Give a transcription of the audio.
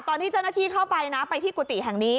ตอนนี้เจ้าหน้าที่ไปที่กุติแห่งนี้